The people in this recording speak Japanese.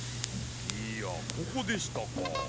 いやここでしたか。